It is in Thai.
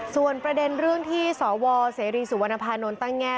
ส่วนประเด็นเรื่องที่สวเสรีสุวรรณภานนท์ตั้งแง่